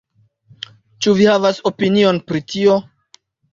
Ĉu vi havas opinion pri tio?